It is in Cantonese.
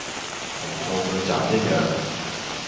同數據集一樣